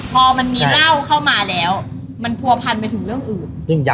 พอมันมีเหล้าเข้ามาแล้วมันผัวพันไปถึงเรื่องอื่น